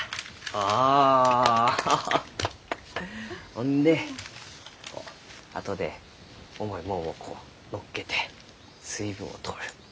ほんであとで重いもんをこう載っけて水分を取る。